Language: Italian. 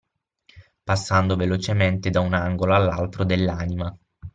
Passando velocemente da un angolo all’altro dell’anima